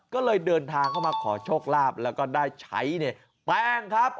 ก็เลยเดินทางเข้ามาขอโชคลาภแล้วก็ได้ใช้เนี่ยแป้งครับ